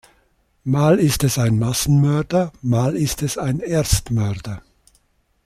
Mal ist es ein Massenmörder, mal ist es ein Erstmörder.